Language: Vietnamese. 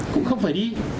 cũng không phải đi